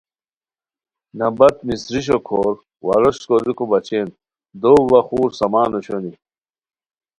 نبت مصری شوکھور وا روشت کوریکو بچین دو وا خور سامان اوشونی